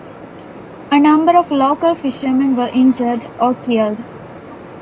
A number of local fisherman were injured or killed.